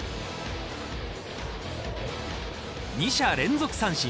２者連続三振。